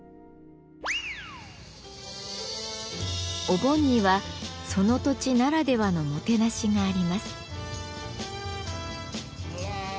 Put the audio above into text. お盆にはその土地ならではのもてなしがあります。